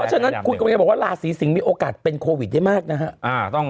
เพราะฉะนั้นคุณก็บอกว่าราศีสิงห์มีโอกาสเป็นโควิดได้มากนะฮะ